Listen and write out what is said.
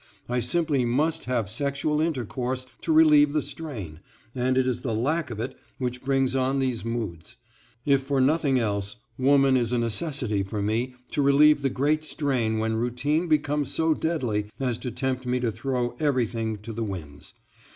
I simply must have sexual intercourse to relieve the strain, and it is the lack of it which brings on these moods. If for nothing else woman is a necessity for me to relieve the great strain when routine becomes so deadly as to tempt me to throw everything to the winds.